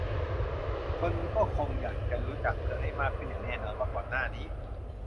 คนคงจะอยากรู้จักเธอให้มากขึ้นอย่างแน่นอนว่าก่อนหน้านี้